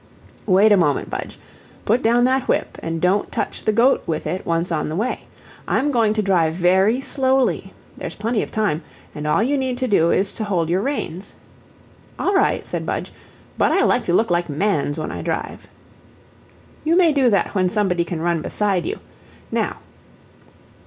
"Wait a moment, Budge put down that whip, and don't touch the goat with it once on the way. I'm going to drive very slowly there's plenty of time, and all you need to do is to hold your reins." "All right," said Budge, "but I like to look like mans when I drive." "You may do that when somebody can run beside you. Now!"